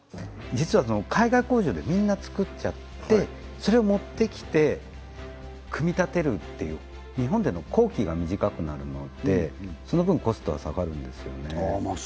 実は海外工場でみんな作っちゃってそれを持ってきて組み立てるっていう日本での工期が短くなるのでその分コストは下がるんですよねああ